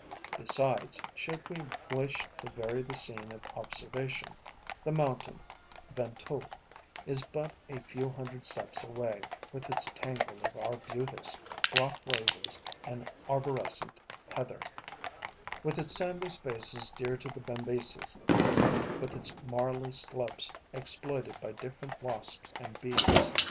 Besides, should we wish to vary the scene of observation, the mountain [Ventoux] is but a few hundred steps away, with its tangle of arbutus, rock roses and arborescent heather; with its sandy spaces dear to the Bembeces; with its marly slopes exploited by different wasps and bees.